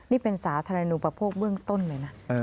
นี่เป็นสาธารณูปโภคเบื้องต้นเลยนะ